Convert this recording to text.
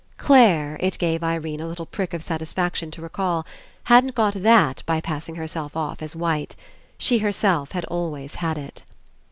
Clare, it gave Irene a little prick of satisfaction to recall, hadn't got that by pass ing herself off as white. She herself had always had it.